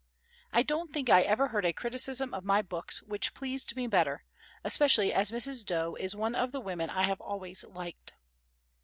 I don't think I ever heard a criticism of my books which pleased me better, especially as Mrs. Dowe is one of the women I have always liked.